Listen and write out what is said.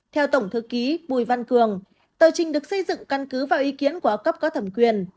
theo tổng thư ký bùi văn cường tờ trình được xây dựng căn cứ vào ý kiến của cấp có thẩm quyền